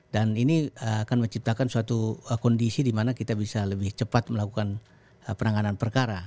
dan ini akan menciptakan suatu kondisi di mana kita bisa lebih cepat melakukan penanganan perkara